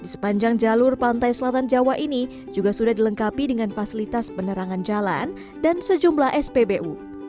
di sepanjang jalur pantai selatan jawa ini juga sudah dilengkapi dengan fasilitas penerangan jalan dan sejumlah spbu